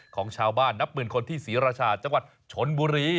ของชาวบ้านนับหมื่นคนที่ศรีราชาจังหวัดชนบุรี